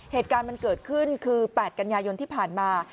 เหตุการณ์มันเกิดขึ้นคือ๘กันยายนที่ผ่านมา